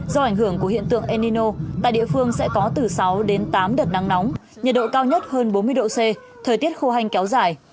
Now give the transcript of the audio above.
do ảnh hưởng của hiện tượng enino tại địa phương sẽ có từ sáu đến tám đợt nắng nóng nhiệt độ cao nhất hơn bốn mươi độ c thời tiết khô hanh kéo dài